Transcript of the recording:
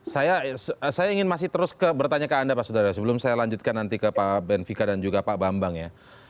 saya ingin masih terus bertanya ke anda pak sudara sebelum saya lanjutkan nanti ke pak benvika dan juga pak bambang ya